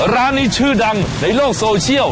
ร้านนี้ชื่อดังในโลกโซเชียล